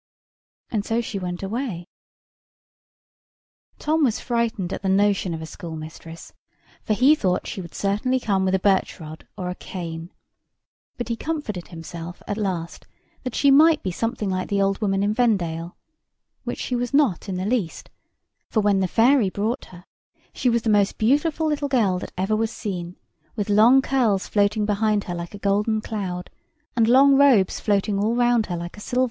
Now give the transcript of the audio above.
And so she went away. Tom was frightened at the notion of a school mistress; for he thought she would certainly come with a birch rod or a cane; but he comforted himself, at last, that she might be something like the old woman in Vendale—which she was not in the least; for, when the fairy brought her, she was the most beautiful little girl that ever was seen, with long curls floating behind her like a golden cloud, and long robes floating all round her like a silver one.